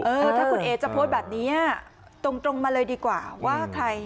เออถ้าคุณเอ๋จะโพสต์แบบนี้ตรงมาเลยดีกว่าว่าใคร